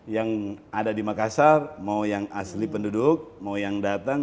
yang ada di makassar mau yang asli penduduk mau yang datang